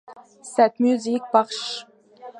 Cette musique par Ch.